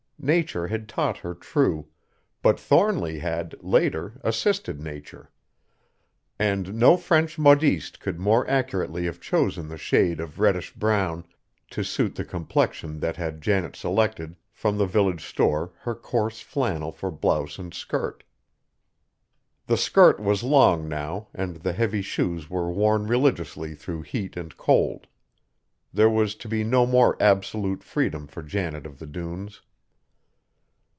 Nature had taught her true, but Thornly had, later, assisted Nature; and no French modiste could more accurately have chosen the shade of reddish brown to suit the complexion than had Janet selected, from the village store, her coarse flannel for blouse and skirt. The skirt was long now, and the heavy shoes were worn religiously through heat and cold. There was to be no more absolute freedom for Janet of the Dunes.